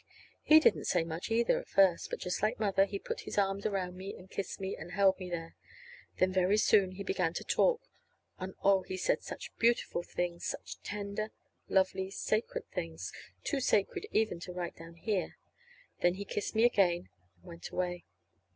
He didn't say much, either, at first; but just like Mother he put his arms around me and kissed me, and held me there. Then, very soon, he began to talk; and, oh, he said such beautiful things such tender, lovely, sacred things; too sacred even to write down here. Then he kissed me again and went away.